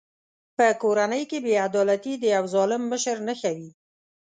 په کورنۍ کې بې عدالتي د یوه ظالم مشر نښه وي.